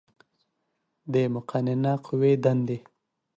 د مقننه قوې دندې